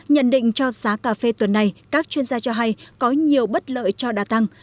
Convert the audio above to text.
nhận định cho giá cà phê tuần này các chuyên gia cho hay có nhiều bất lợi cho đa tăng